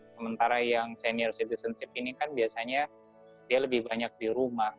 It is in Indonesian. sementara yang senior citizenship ini kan biasanya dia lebih banyak di rumah